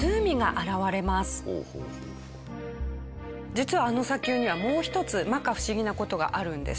実はあの砂丘にはもう一つ摩訶不思議な事があるんです。